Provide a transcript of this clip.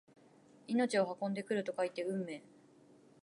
命を運んでくると書いて運命！